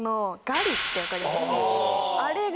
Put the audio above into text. あれが。